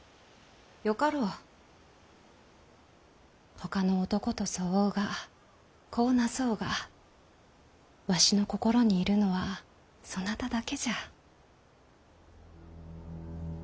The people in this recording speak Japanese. ほかの男と添おうが子をなそうがわしの心にいるのはそなただけじゃ。